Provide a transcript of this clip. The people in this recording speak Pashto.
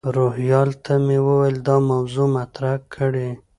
روهیال ته مې وویل دا موضوع مطرح کړي.